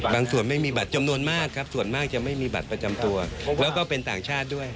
ส่วนไม่มีบัตรจำนวนมากครับส่วนมากจะไม่มีบัตรประจำตัวแล้วก็เป็นต่างชาติด้วย